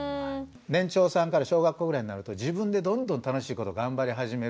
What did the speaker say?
年長さんから小学校ぐらいになると自分でどんどん楽しいこと頑張り始めるっていう。